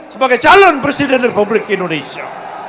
sebagai calon presiden republik indonesia